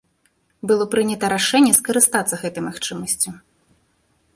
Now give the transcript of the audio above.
Было прынята рашэнне скарыстацца гэтай магчымасцю.